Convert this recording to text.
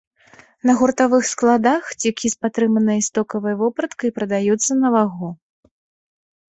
На гуртавых складах цюкі з патрыманай і стокавай вопраткай прадаюцца на вагу.